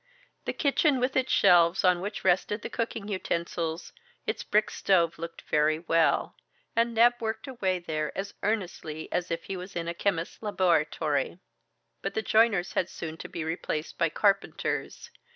The kitchen, with its shelves, on which rested the cooking utensils, its brick stove, looked very well, and Neb worked away there as earnestly as if he was in a chemist's laboratory. But the joiners had soon to be replaced by carpenters.